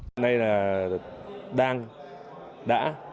hôm nay là đang đã